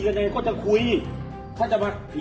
อาหารที่สุดท้าย